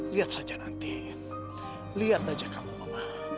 lihat saja nanti lihat saja kamu mama